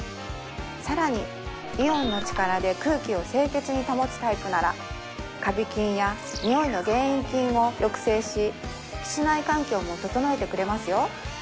更にイオンの力で空気を清潔に保つタイプならカビ菌やニオイの原因菌を抑制し室内環境も整えてくれますよ